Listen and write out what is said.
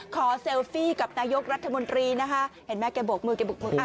เซลฟี่กับนายกรัฐมนตรีนะคะเห็นไหมแกบกมือแกบกมือ